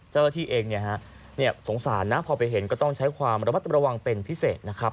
เจ้าหน้าที่เองสงสารนะพอไปเห็นก็ต้องใช้ความระมัดระวังเป็นพิเศษนะครับ